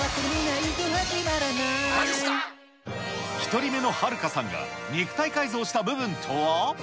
１人目のハルカさんが肉体改造した部分とは？